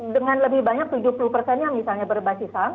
dengan lebih banyak tujuh puluh yang misalnya berbasis sang